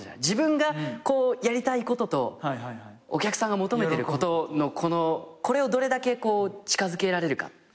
自分がやりたいこととお客さんが求めてることのこれをどれだけ近づけられるか。